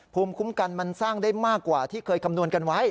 ภูมิคุ้มกันมันสร้างได้มากกว่าที่เคยคำนวณกันไว้